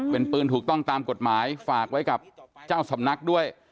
เป็นปืนถูกต้องตามกฎหมายฝากไว้กับเจ้าสำนักด้วย